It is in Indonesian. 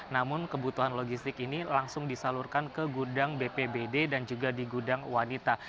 namun kebutuhan logistik ini langsung disalurkan ke gudang bpbd dan juga di gudang wanita